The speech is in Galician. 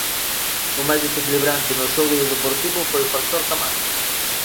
O máis desequilibrante no xogo do Deportivo foi o factor Camargo.